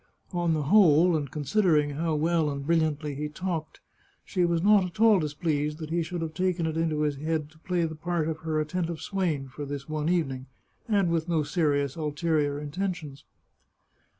On the whole, and considering how well and brilliantly he talked, she was not at all displeased that he should have taken it into his head to play the part of her attentive swain for this one evening, and with no serious ulterior intentions.